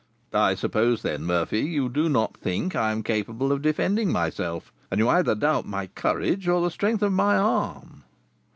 "I suppose, then, Murphy, you do not think I am capable of defending myself, and you either doubt my courage or the strength of my arm?"